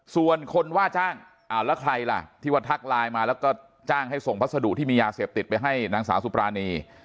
ส่วนคนว่าจ้างแล้วใครล่ะที่ว่าทักไลน์มาแล้วก็จ้างให้ส่งพัสดุที่มียาเสพติดไปให้นางสาวสุปรานี